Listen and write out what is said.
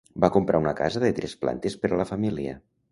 Va comprar una casa de tres plantes per a la família.